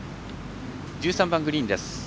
１３番グリーンです。